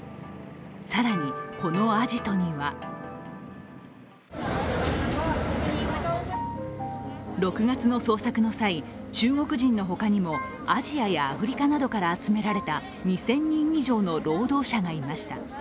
更に、このアジトには６月の捜索の際、中国人のほかにもアジアやアフリカなどから集められた２０００人以上の労働者がいました。